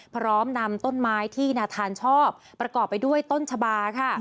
พร้อมนำต้นไม้ที่นาธานชอบประกอบไปด้วยต้นชะบาค่ะ